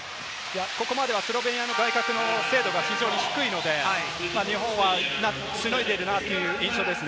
スロベニアの外角の精度が低いので、日本はしのいでいるなという印象です。